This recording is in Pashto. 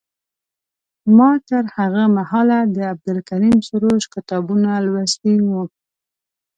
ما تر هغه مهاله د عبدالکریم سروش کتابونه لوستي وو.